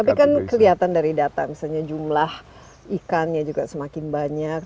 tapi kan kelihatan dari data misalnya jumlah ikannya juga semakin banyak